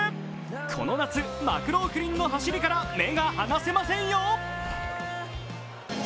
この夏、マクローフリンの走りから目が離せませんよ。